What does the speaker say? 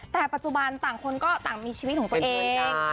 แต่ปัจจุบันต่างคนก็ต่างมีชีวิตของตัวเอง